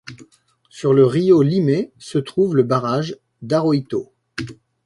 Sur le río Limay, se trouve le barrage d'Arroyito.